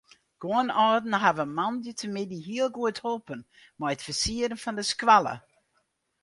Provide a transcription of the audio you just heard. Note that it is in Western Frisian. Guon âlden hawwe moandeitemiddei hiel goed holpen mei it fersieren fan de skoalle.